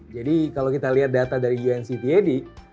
jadi kalau kita lihat data dari uncted